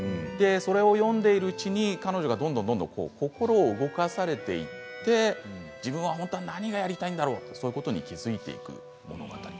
それを読んでいるうちに彼女がどんどん心を動かされていって自分は本当に何をやりたいのかということに気付いていく。